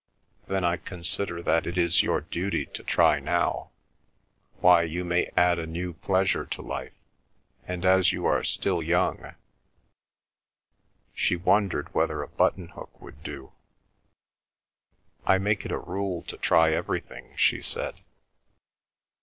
"Then I consider that it is your duty to try now. Why, you may add a new pleasure to life, and as you are still young—" She wondered whether a button hook would do. "I make it a rule to try everything," she said.